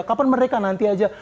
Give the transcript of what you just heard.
kapan merdeka nanti aja